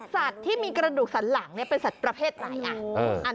สัตว์ที่มีกระดูกสันหลังเป็นสัตว์ประเภทไหน